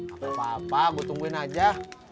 gapapa gue tungguin aja